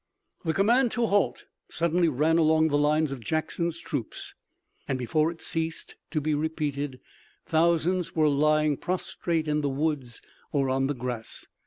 The command to halt suddenly ran along the lines of Jackson's troops, and, before it ceased to be repeated, thousands were lying prostrate in the woods or on the grass.